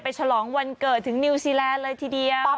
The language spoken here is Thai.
ฉลองวันเกิดถึงนิวซีแลนด์เลยทีเดียว